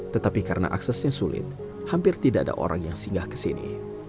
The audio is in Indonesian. tetapi karena aksesnya sulit hampir tidak ada orang yang singgah ke sini